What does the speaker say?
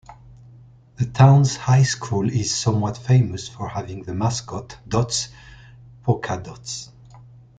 The town's high school is somewhat famous for having the mascot "Dots," Poca Dots.